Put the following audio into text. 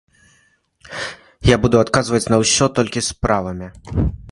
Я буду адказваць на ўсё толькі справамі.